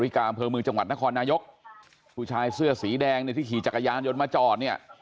บริการเผลอมือจังหวัดนครนายกผู้ชายเสื้อสีแดงที่ขี่จักรยานยนต์มาจอด